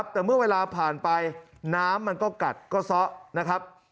แต่เมื่อเวลาผ่านไปน้ำมันก็กัดก็ซ้อนะครับ